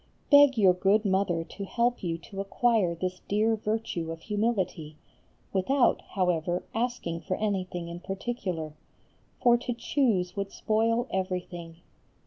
Beg your good Mother to help you to acquire this dear virtue of humility, without, however, asking for anything in particular; for to choose would spoil everything.